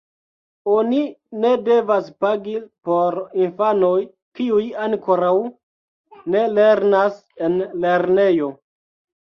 Oni ne devas pagi por infanoj, kiuj ankoraŭ ne lernas en lernejo.